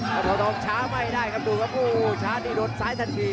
เอาทองช้าไม่ได้ครับดูครับโอ้ช้านี่โดนซ้ายทันที